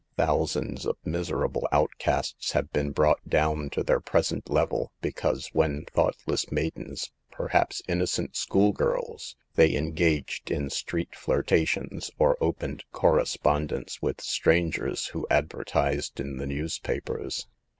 Thousands of miserable outcasts have been brought down to their present level, be cause when thoughtless maidens, perhaps inno cent school girls, they engaged in street flirta tions, or opened correspondence with strangers who advertised in the newspapers.